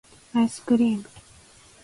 アイスクリーム